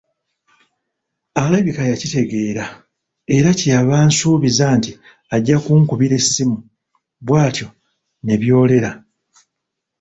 Alabika yakitegeera, era kye yava ansuubiza nti ajja kunkubira essimu, bw'atyo ne byolera.